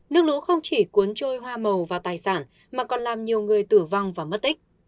nước lũ không chỉ cuốn trôi hoa màu và tài sản mà còn làm nhiều người tử vong và mất tích